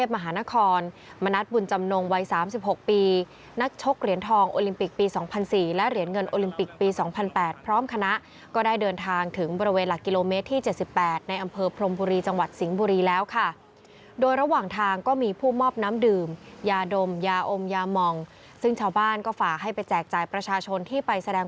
มหานครโอลิมปิกปี๒๐๐๔และเหรียญเงินโอลิมปิกปี๒๐๐๘พร้อมคณะก็ได้เดินทางถึงบริเวณหลักกิโลเมตรที่๗๘ในอำเภอพรมบุรีจังหวัดสิงห์บุรีแล้วค่ะโดยระหว่างทางก็มีผู้มอบน้ำดื่มยาดมยาอมยามองซึ่งชาวบ้านก็ฝากให้ไปแจกจ่ายประชาชนที่ไปแสดง